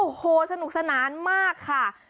โอ้โหสนุกสนานมากค่ะ